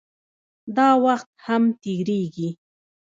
داوخت هم تېريږي